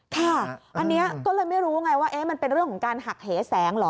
ค่ะอันนี้ก็เลยไม่รู้ไงว่ามันเป็นเรื่องของการหักเหแสงเหรอ